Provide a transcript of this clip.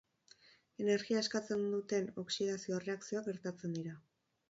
Energia askatzen duten oxidazio-erreakzioak gertatzen dira.